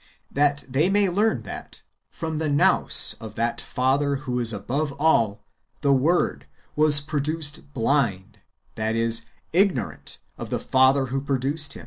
"^— that they may learn that from the Nous of that Father who is above all, the Word was produced bllndy that is, ignorant of the Father who produced him